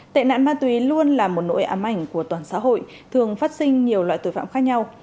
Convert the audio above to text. tệ nạn ma túy luôn là một nội ám ảnh của toàn xã hội thường phát sinh nhiều loại tội phạm khác nhau